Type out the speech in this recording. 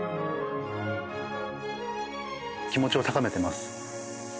気持ちを高めてます。